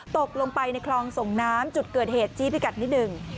ตกลงไปในคลองส่งน้ำจุดเกิดเหตุจี้พิกัดนิดหนึ่ง